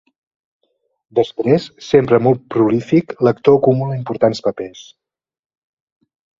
Després, sempre molt prolífic, l'actor acumula importants papers.